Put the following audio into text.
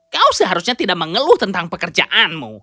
kau seharusnya tidak mengeluh tentang pekerjaanmu